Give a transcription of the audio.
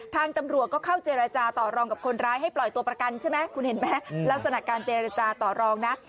ทางตำรวจก็เข้าเจรจาต่อรองกับคนร้ายให้ปล่อยตัวประกันใช่ไหมคุณเห็นไหมลักษณะการเจรจาต่อรองนะ